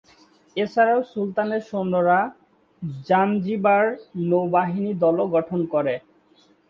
এছাড়াও সুলতানের সৈন্যরা জাঞ্জিবার নৌবাহিনী দলও গঠন করে।